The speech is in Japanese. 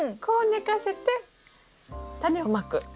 こう寝かせてタネをまく。